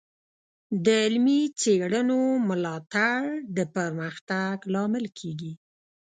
د علمي څیړنو ملاتړ د پرمختګ لامل کیږي.